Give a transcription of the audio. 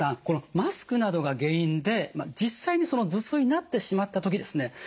このマスクなどが原因で実際に頭痛になってしまった時ですね